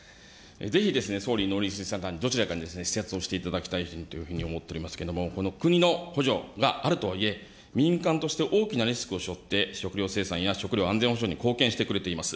ぜひ、総理、農林水産大臣、どちらかに視察をしていただきたいというふうに思っておりますけれども、国の補助があるとはいえ、民間として大きなリスクしょって、食料生産や食料安全保障に貢献してくれています。